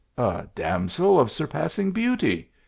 "A damsel of surpassing beauty!"